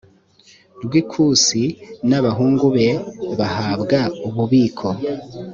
rw ikusi n abahungu be bahabwa ububiko